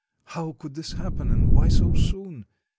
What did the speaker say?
How could this happen, and why so soon?